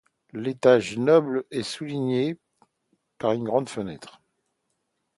L'étage noble est souligné par de grandes fenêtres.